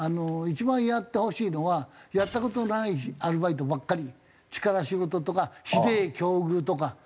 一番やってほしいのはやった事ないアルバイトばっかり力仕事とかひでえ境遇とか。